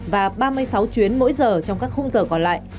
và ba mươi sáu chuyến mỗi giờ trong các khung giờ còn lại